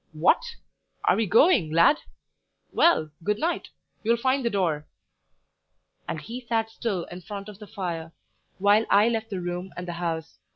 "What! Are you going, lad? Well, good night: you'll find the door." And he sat still in front of the fire, while I left the room and the house.